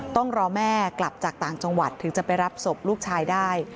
ต้องรอแม่กลับจากต่างจังหวัดถึงจะไปรับศพลูกชายได้